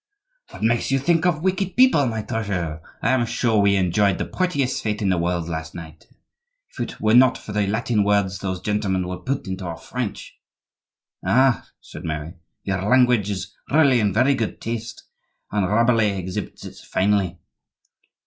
"What makes you think of wicked people, my treasure? I am sure we enjoyed the prettiest fete in the world last night—if it were not for the Latin words those gentlemen will put into our French." "Ah!" said Mary, "your language is really in very good taste, and Rabelais exhibits it finely."